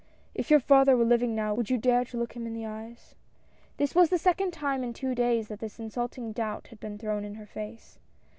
If your father were living now, would you dare to look him in the eyes ?" This was the second time in two days that this insulting doubt had been thrown in her face.